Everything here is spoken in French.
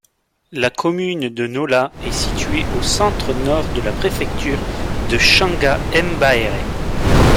La commune de Nola est située au centre-nord de la préfecture de Sangha-Mbaéré.